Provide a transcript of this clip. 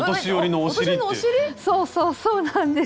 そうそうそうなんです。